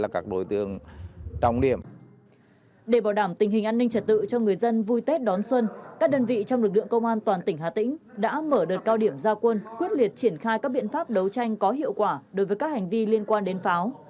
các đơn vị trong lực lượng công an toàn tỉnh hà tĩnh đã mở đợt cao điểm gia quân quyết liệt triển khai các biện pháp đấu tranh có hiệu quả đối với các hành vi liên quan đến pháo